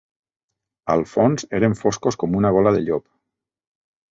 Al fons eren foscos com una gola de llop